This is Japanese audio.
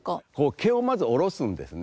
毛をまず下ろすんですね。